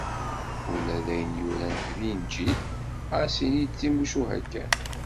Ula d ayen yuran deg Linǧil, ɣas ini d timucuha kan.